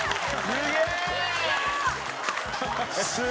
すげえ！